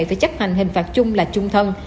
phải chấp hành hình phạt chung là chung thân